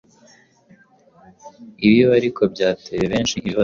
Ibi ariko byateye benshi ikibazo